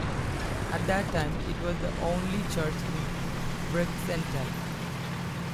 At that time, it was the only church in the Brixental.